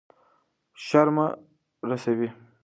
شر مه رسوئ.